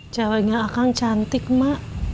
jawabnya akan cantik ma